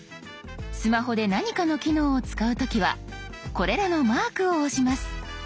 スマホで何かの機能を使う時はこれらのマークを押します。